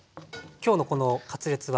今日のこのカツレツは。